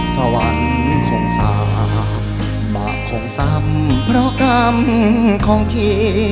สวรรค์ของสาบางของซ้ำเพราะกรรมของเค